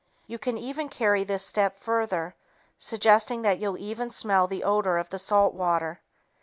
You can even carry this step further, suggesting that you'll even smell the odor of the salt water.